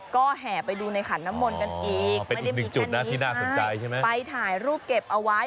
ก็แห่ไปดูในขันนมลกันอีกไม่ได้มีแค่นี้ค่ะไปถ่ายรูปเก็บเอาไว้